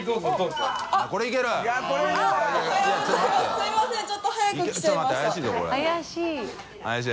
すいませんちょっと早く来ちゃいました。